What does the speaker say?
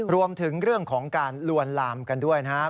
รวมถึงเรื่องของการลวนลามกันด้วยนะครับ